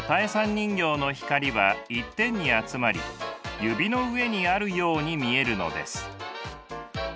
人形の光は一点に集まり指の上にあるように見えるのです。